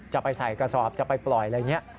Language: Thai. จะไปใส่กระสอบจะไปปล่อยอะไรอย่างนี้